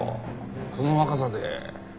その若さで。